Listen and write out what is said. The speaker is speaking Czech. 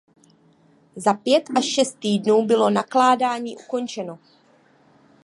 Za pět až šest týdnů bylo nakládání ukončeno.